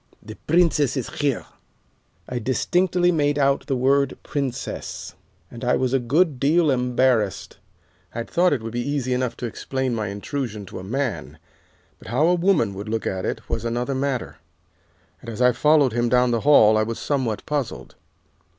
The Princess is here.' "I distinctly made out the word 'princess,' and I was a good deal embarrassed. I had thought it would be easy enough to explain my intrusion to a man, but how a woman would look at it was another matter, and as I followed him down the hall I was somewhat puzzled.